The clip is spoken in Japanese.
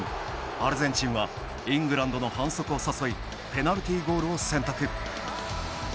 アルゼンチンはイングランドの反則を誘いペナルティーゴールを選択。